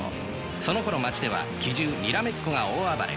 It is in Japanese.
そのころ街では奇獣にらめっこが大暴れ。